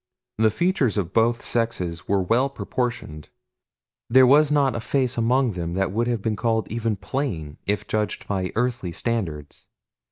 The features of both sexes were well proportioned there was not a face among them that would have been called even plain if judged by earthly standards.